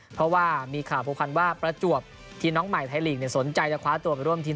เพราะว่ามีข่าวผูกพันว่าประจวบทีมน้องใหม่ไทยลีกสนใจจะคว้าตัวไปร่วมทีม